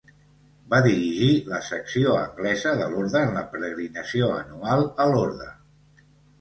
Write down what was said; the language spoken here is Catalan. Va dirigir la secció anglesa de l'orde en la peregrinació anual a Lorda.